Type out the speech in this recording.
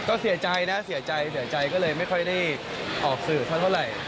ก็เสียใจนะเสียใจเสียใจก็เลยไม่ค่อยได้ออกสื่อสักเท่าไหร่